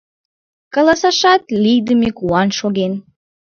Каласашат лийдыме куан шоген.